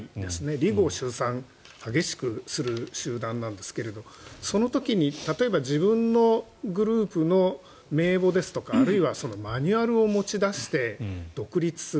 離合集散激しくする集団なんですがその時に例えば自分のグループの名簿ですとかあるいはマニュアルを持ち出して独立する。